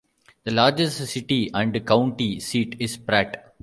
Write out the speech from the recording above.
The largest city and county seat is Pratt.